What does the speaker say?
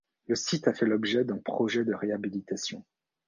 Le site a fait l'objet d'un projet de réhabilitation.